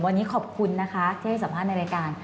วันนี้ขอบคุณนะคะที่ให้สัมภาษณ์ในรายการ